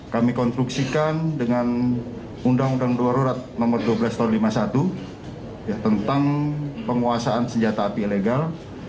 kami konstruksikan dengan undang undang dua rurat nomor dua belas tahun seribu sembilan ratus lima puluh satu tentang penguasaan senjata api ilegal